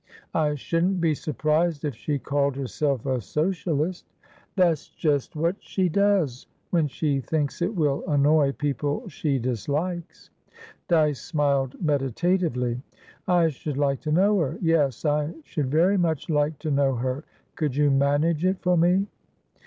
"I shouldn't be surprised if she called herself a socialist." "That's just what she doeswhen she thinks it will annoy people she dislikes." Dyce smiled meditatively. "I should like to know her. Yes, I should very much like to know her. Could you manage it for me?"